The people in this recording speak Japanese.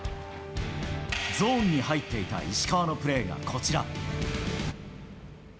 ゾーンに入っていた石川のプレーがこちら。